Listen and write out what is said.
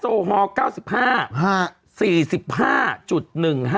พี่โอ๊คบอกว่าเขินถ้าต้องเป็นเจ้าภาพเนี่ยไม่ไปร่วมงานคนอื่นอะได้